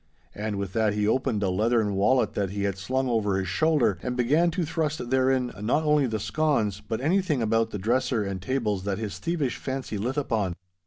And with that he opened a leathern wallet that he had slung over his shoulder, and began to thrust therein, not only the scones, but anything about the dresser and tables that his thievish fancy lit upon.